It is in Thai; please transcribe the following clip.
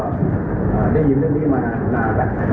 จริงแล้วมันก็ได้ยินเรื่องนี้มานานแล้วครับ